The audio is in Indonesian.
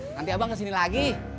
nanti abang kesini lagi